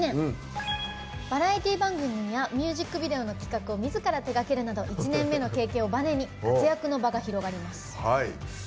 バラエティー番組やミュージックビデオの企画をみずから手がけるなど１年目の経験をバネに活躍の場が広がります。